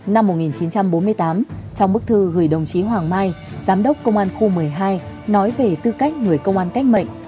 năm một nghìn chín trăm bốn mươi tám trong bức thư gửi đồng chí hoàng mai giám đốc công an khu một mươi hai nói về tư cách người công an cách mệnh